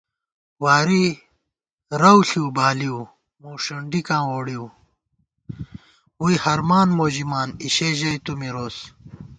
وارِی رَوݪِؤ بالِؤ، موݭُنڈیکاں ووڑِؤ * ووئی ہرمان مو ژِمان، اِشے ژَئی تُو مِروس